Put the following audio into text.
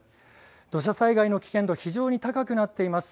土砂災害の危険度、非常に高くなっています。